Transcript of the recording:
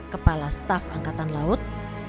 kepala staf angkatan laut